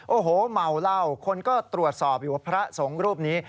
โอ้โหเมาเหล้าคนก็ตรวจสอบอยู่ว่าพระสงฆ์รูปนี้